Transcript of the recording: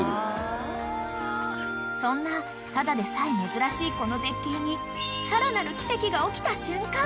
［そんなただでさえ珍しいこの絶景にさらなる奇跡が起きた瞬間］